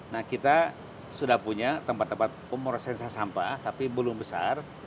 nah kita sudah punya tempat tempat pemrosesan sampah tapi belum besar